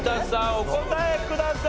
お答えください。